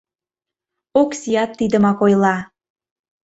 Оксиат тидымак ойла...